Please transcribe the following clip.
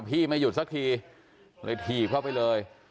ไม่หยุดสักทีเลยถีบเข้าไปเลย